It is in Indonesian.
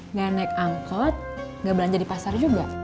nggak naik angkot nggak belanja di pasar juga